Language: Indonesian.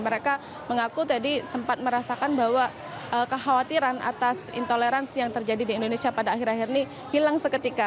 mereka mengaku tadi sempat merasakan bahwa kekhawatiran atas intoleransi yang terjadi di indonesia pada akhir akhir ini hilang seketika